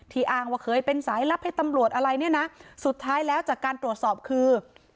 อ้างว่าเคยเป็นสายลับให้ตำรวจอะไรเนี่ยนะสุดท้ายแล้วจากการตรวจสอบคือ